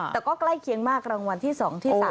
แต่ก็ใกล้เคียงมากรางวัลที่๒ที่๓